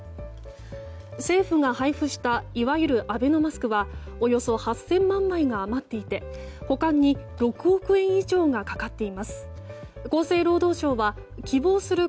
政府が配布したいわゆるアベノマスクはおよそ８０００万枚が余っていて保管に６億円以上がかかっています。